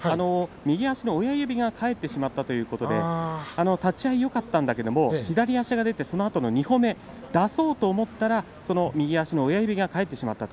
右足の親指が返ってしまったということで立ち合いよかったんだけれども左足が出てそのあと２歩目を出そうと思ったら右足の親指が返ってしまった。